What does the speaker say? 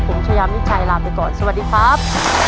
ผมชายามิชัยลาไปก่อนสวัสดีครับ